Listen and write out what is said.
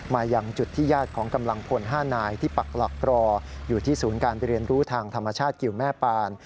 มายังจุดที่ญาติของกำลังพล๕นายที่ปักหลักรออยู่ที่ศูนย์การเรียนรู้ทางธรรมชาติกิวแม่ปาน